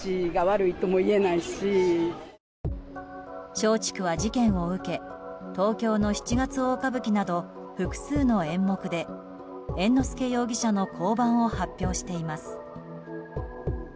松竹は事件を受け東京の「七月大歌舞伎」など複数の演目で猿之助容疑者の降板を発表しています。